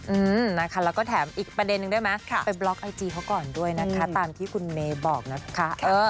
อืมนะคะแล้วก็แถมอีกประเด็นนึงได้ไหมไปบล็อกไอจีเขาก่อนด้วยนะคะตามที่คุณเมย์บอกนะคะ